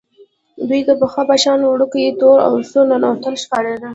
دی د پخوا په شان وړوکی، تور او سره ننوتلی ښکارېده.